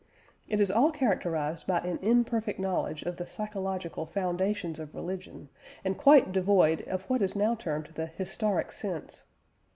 It is all characterised by an imperfect knowledge of the psychological foundations of religion, and quite devoid of what is now termed the "historic sense."